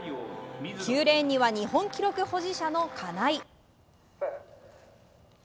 ９レーンには日本記録保持者の金井。